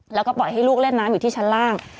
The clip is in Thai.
แล้วก็ปล่อยให้ลูกเล่นน้ำอยู่ที่ชั้นล่าง